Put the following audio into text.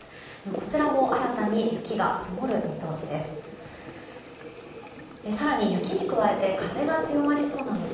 こちらも新たに雪が積もる見通しです。